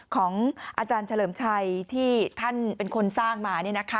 ของอาจารย์เฉลิมชัยที่ท่านเป็นคนสร้างมา